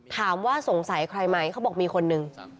ถามว่าสงสัยใครไหมเขาบอกมีคนนึง